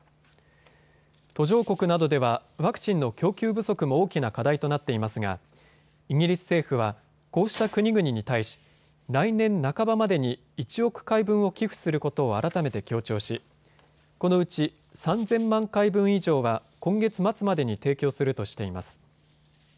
途上国などではワクチンの供給不足も大きな課題となっていますがイギリス政府はこうした国々に対し、来年半ばまでに１億回分を寄付することを改めて強調し、このうち３０００万回分以上は今月末までに提供するとしています。